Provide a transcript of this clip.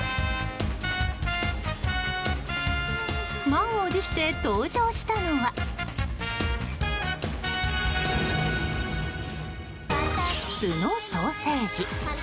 満を持して登場したのは素のソーセージ。